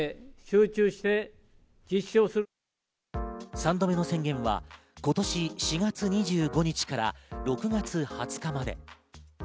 ３度目の宣言は今年４月２５日から６月２０日まで。